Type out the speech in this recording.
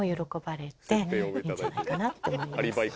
いいんじゃないかなと思います。